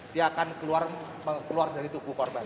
dia akan keluar dari tubuh korban